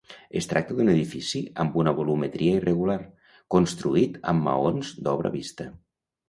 Es tracta d’un edifici amb una volumetria irregular, construït amb maons d’obra vista.